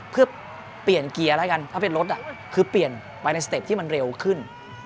เพื่อเปลี่ยนเกียร์แล้วกันถ้าเป็นรถคือเปลี่ยนไปในสเต็ปที่มันเร็วขึ้น